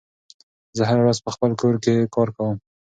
زه هره ورځ په خپل کور کې کار کوم.